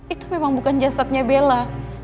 itu memang bukan jasadnya bella